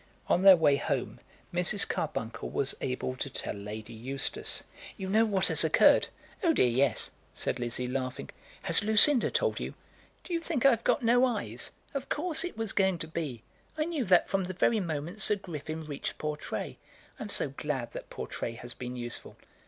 On their way home Mrs. Carbuncle was able to tell Lady Eustace. "You know what has occurred?" "Oh, dear, yes," said Lizzie, laughing. "Has Lucinda told you?" "Do you think I've got no eyes? Of course it was going to be. I knew that from the very moment Sir Griffin reached Portray. I am so glad that Portray has been useful."